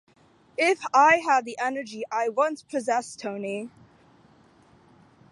If I had the energy I once possessed, Tony!